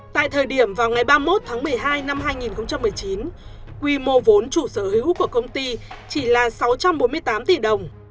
tại thời điểm vào ngày ba mươi một tháng một mươi hai năm hai nghìn một mươi chín quy mô vốn chủ sở hữu của công ty chỉ là sáu trăm bốn mươi tám tỷ đồng